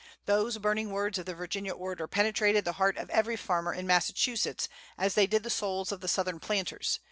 Those burning words of the Virginia orator penetrated the heart of every farmer in Massachusetts, as they did the souls of the Southern planters.